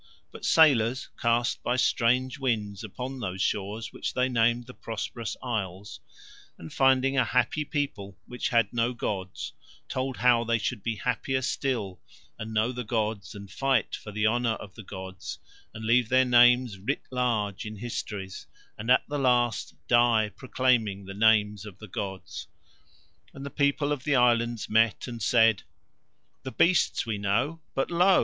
But sailors, cast by strange winds upon those shores which they named the Prosperous Isles, and finding a happy people which had no gods, told how they should be happier still and know the gods and fight for the honour of the gods and leave their names writ large in histories and at the last die proclaiming the names of the gods. And the people of the islands met and said: "The beasts we know, but lo!